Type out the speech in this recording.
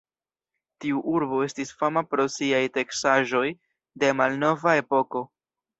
Tiu urbo estis fama pro siaj teksaĵoj de malnova epoko.